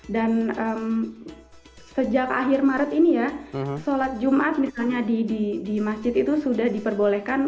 dan sejak akhir maret ini ya sholat jumat misalnya di masjid itu sudah diperbolehkan